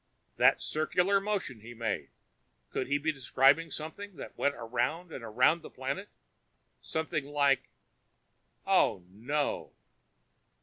"That circular motion he made could he have been describing something that went around and around the planet? Something like oh, no!"